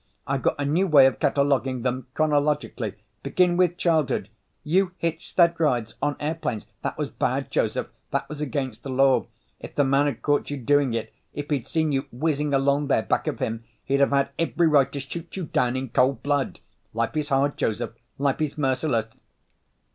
I got a new way of cataloguing them—chronologically. Begin with childhood. You hitched sled rides on airplanes. That was bad, Joseph, that was against the law. If the man had caught you doing it, if he'd seen you whizzing along there back of him, he'd have had every right to shoot you down in cold blood. Life is hard, Joseph, life is merciless...."